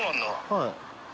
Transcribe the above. はい。